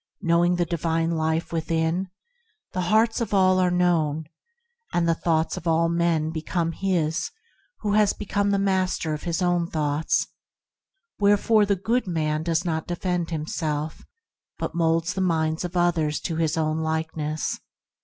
Knowing the Divine Life within, the hearts of all are known, and the thoughts of all men become his who has become the master of his own thoughts; wherefore the good man does not defend himself, but moulds the minds of others to his own likeness.